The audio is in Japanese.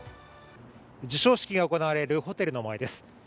授賞式が行われるホテルの前です。